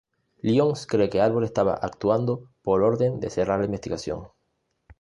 Lyons cree que Arbor estaba actuando por orden de cerrar la investigación.